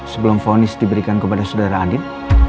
sebelum fonis diberikan kepada saudara adin